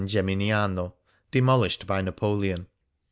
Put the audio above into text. Gemi niano, demoHshed by Napoleon.